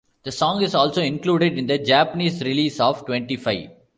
The song is also included in the Japanese release of Twenty Five.